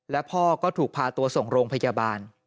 และพ่อก็ถูกพาตัวส่งโรงพยาบาล